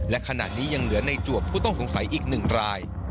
และขณะนี้ยังเหลือในจวบผู้ต้องสงสัยอีก๑ราย